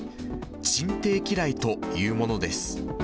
沈底機雷というものです。